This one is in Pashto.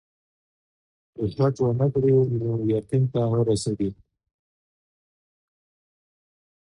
که شک ونه کړې نو يقين ته نه رسېږې.